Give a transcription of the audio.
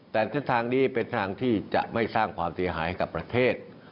แต่เส้นทางนี้เป็นทางที่จะไม่สร้างความเสียหายให้กับประเทศ